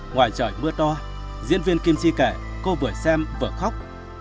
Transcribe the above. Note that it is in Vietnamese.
ngoài trời mưa to diễn viên kim si kể cô vừa xem vừa khóc